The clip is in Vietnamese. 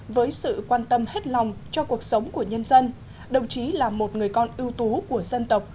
với sự quan tâm hết lòng cho cuộc sống của nhân dân đồng chí là một người con ưu tú của dân tộc